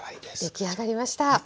出来上がりました。